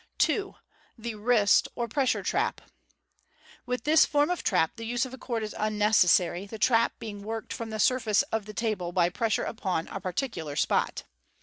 2. The " Wrist " or " Pressure " Trap. — With this form of tr..p the Fig. 262, MODERN MAGIC. 439 use of a cord is unnecessary, the trap being worked from the surface of the table, by pressure upon a particular spot.